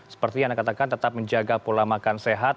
seperti yang anda katakan tetap menjaga pola makan sehat